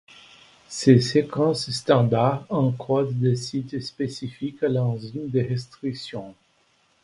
Ces séquences standard encodent des sites spécifiques à l'enzyme de restriction.